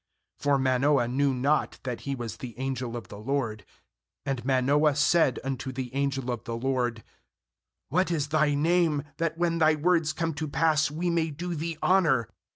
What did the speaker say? For Manoah knew not that he was the angel of the LORD. 17And Manoah said unto the angel of the LORD: 'What is thy name, that when thy words come to pass we may do thee honour?'